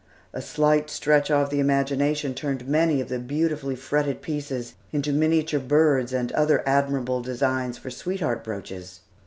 A slight stretch of the imagination turned many of the beautifully fretted pieces into miniature birds and other admirable designs for sweetheart brooches.